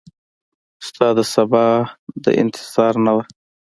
ستا دسبا د انتظار نه وه